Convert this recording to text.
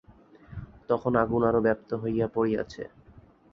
তখন আগুন আরও ব্যাপ্ত হইয়া পড়িয়াছে।